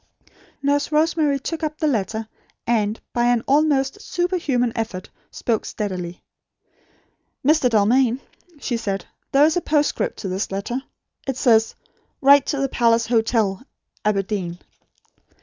Nurse Rosemary took up the letter; and, by an almost superhuman effort, spoke steadily. "Mr. Dalmain," she said; "there is a postscript to this letter. It says: 'Write to The Palace Hotel, Aberdeen.'"